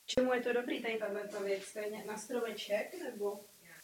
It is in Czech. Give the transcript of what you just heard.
V Římě pak pobýval přibližně rok.